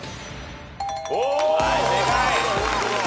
はい正解。